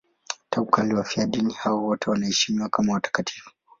Tangu kale wafiadini hao wote wanaheshimiwa kama watakatifu.